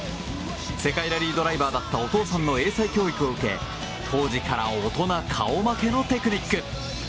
世界ラリードライバーだったお父さんの英才教育を受け当時から大人顔負けのテクニック。